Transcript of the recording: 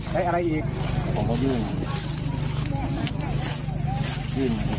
แล้วยังไงต่อ